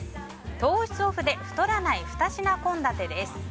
糖質オフで太らない２品献立です。